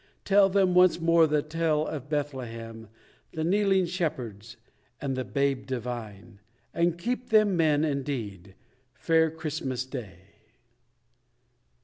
Tell them once more the tale of Bethlehem; The kneeling shepherds, and the Babe Divine: And keep them men indeed, fair Christmas Day.